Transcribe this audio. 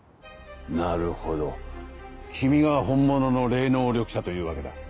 なるほど君が本物の霊能力者というわけだ。